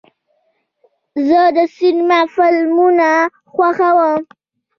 زه د سینما فلمونه خوښوم.